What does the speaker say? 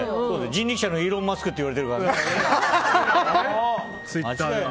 人力舎のイーロン・マスクって言われてるから。